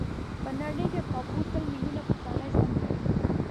په نړۍ کې کابو سل ميليونه پښتانه ژوند کوي.